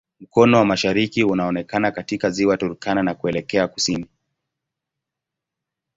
Mkono wa mashariki unaonekana katika Ziwa Turkana na kuelekea kusini.